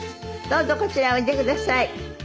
どうぞこちらへおいでください。